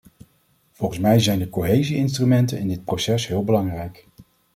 Volgens mij zijn de cohesie-instrumenten in dit proces heel belangrijk.